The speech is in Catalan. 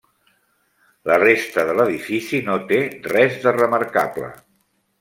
La resta de l'edifici no té res de remarcable.